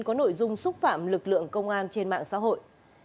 có nội dung xúc phạm lực lượng công an trên mạng xã hội